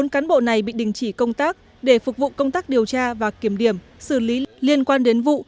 bốn cán bộ này bị đình chỉ công tác để phục vụ công tác điều tra và kiểm điểm xử lý liên quan đến vụ